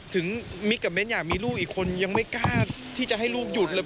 มิกกับเน้นอยากมีลูกอีกคนยังไม่กล้าที่จะให้ลูกหยุดเลย